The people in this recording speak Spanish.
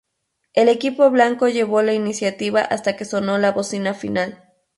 El equipo blanco llevó la iniciativa hasta que sonó la bocina final.